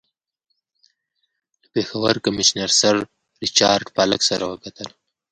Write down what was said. له پېښور کمیشنر سر ریچارډ پالک سره وکتل.